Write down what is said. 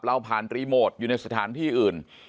เราผ่านรีโมทอยู่ในสถานที่อื่น